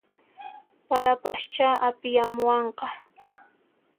Parapaschá apiyamuwanqa